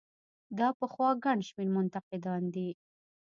دا پخوا ګڼ شمېر منتقدان دي.